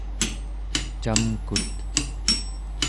camkut